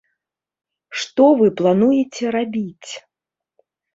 Што вы плануеце рабіць?